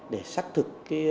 để xác thực